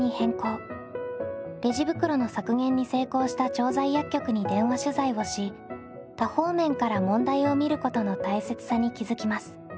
レジ袋の削減に成功した調剤薬局に電話取材をし多方面から問題を見ることの大切さに気付きます。